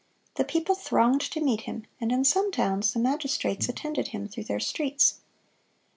The people thronged to meet him, and in some towns the magistrates attended him through their streets.